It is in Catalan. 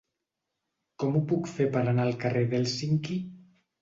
Com ho puc fer per anar al carrer d'Hèlsinki?